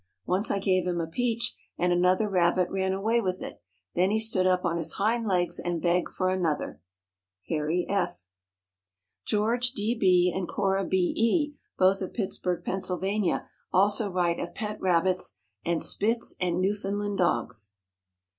Once I gave him a peach, and another rabbit ran away with it; then he stood up on his hind legs and begged for another. HARRY F. George D. B. and Cora B. E., both of Pittsburgh, Pennsylvania, also write of pet rabbits, and Spitz and Newfoundland dogs.